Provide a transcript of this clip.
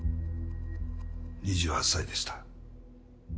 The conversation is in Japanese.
２８歳でした。